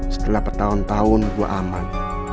setelah bertahun tahun gue aman